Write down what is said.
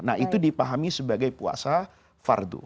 nah itu dipahami sebagai puasa fardu